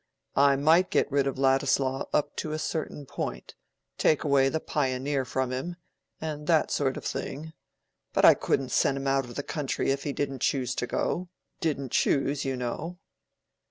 "I might get rid of Ladislaw up to a certain point—take away the 'Pioneer' from him, and that sort of thing; but I couldn't send him out of the country if he didn't choose to go—didn't choose, you know."